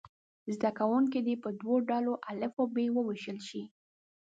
زده کوونکي دې په دوه ډلو الف او ب وویشل شي.